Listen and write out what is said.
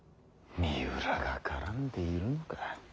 三浦が絡んでいるのか。